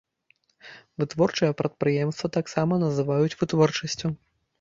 Вытворчае прадпрыемства таксама называюць вытворчасцю.